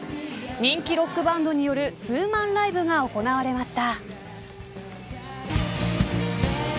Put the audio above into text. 人気ロックバンドによるツーマンライブが行われました。